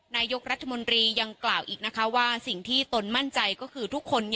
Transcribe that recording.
นายกรัฐมนตรียังกล่าวอีกนะคะว่าสิ่งที่ตนมั่นใจก็คือทุกคน